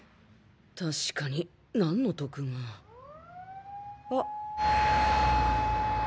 確かに何の得があ！